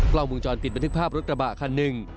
กล้องวงจรปิดบันทึกภาพรถกระบะคันหนึ่ง